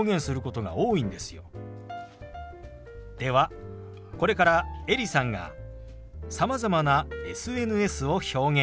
ではこれからエリさんがさまざまなＳＮＳを表現します。